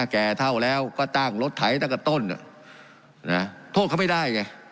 แก่เท่าแล้วก็จ้างรถไถตั้งแต่ต้นโทษเขาไม่ได้ไง